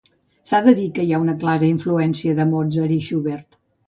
S'ha de dir que hi ha una clara influència de Mozart i Schubert.